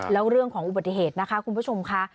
แล้วเรื่องของอุบัติเหตุนะคะคุณผู้ชมค่ะ